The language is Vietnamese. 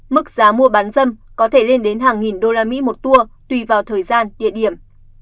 mức giá mua bán dâm có thể lên đến hàng nghìn đô la mỹ một tour tùy vào thời gian địa điểm